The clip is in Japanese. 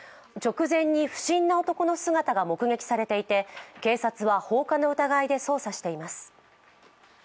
直前に不審な男の姿が目撃されていて警察は放火の疑いで捜査しています。